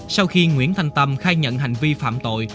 sau khi nguyễn thanh tâm khai nhận hành vi phạm tội